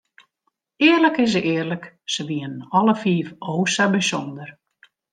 Earlik is earlik, se wienen alle fiif o sa bysûnder.